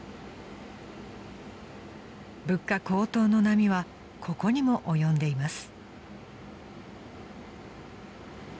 ［物価高騰の波はここにも及んでいます］